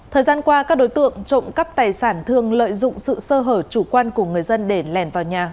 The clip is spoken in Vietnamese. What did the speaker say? thời gian qua các đối tượng trộm cắp tài sản thường lợi dụng sự sơ hở chủ quan của người dân để lèn vào nhà